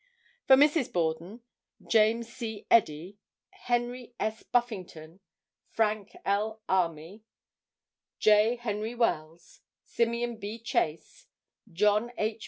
For Mrs. Borden—James C. Eddy, Henry S. Buffington, Frank L. Almy, J. Henry Wells, Simeon B. Chase, John H.